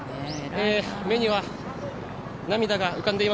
目には涙が浮かんでいます。